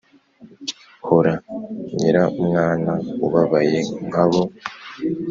hora nyiramwana ubabaye nk'abo